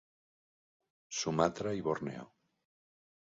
Sumatra i Borneo.